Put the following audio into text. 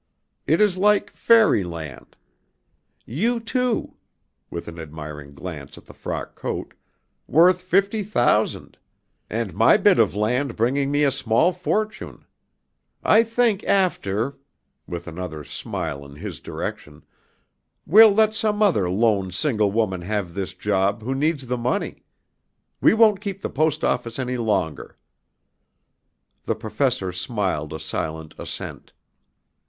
It is like fairy land. You, too," with an admiring glance at the frock coat, "worth fifty thousand. And my bit of land bringing me a small fortune. I think after," with another smile in his direction, "we'll let some other lone single woman have this job who needs the money. We won't keep the Post Office any longer." The Professor smiled a silent assent.